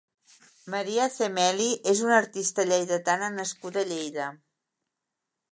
Maria Cemeli és una artista lleidatana nascuda a Lleida.